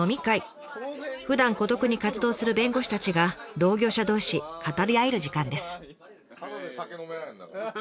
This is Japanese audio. ふだん孤独に活動する弁護士たちが同業者同士語り合える時間です。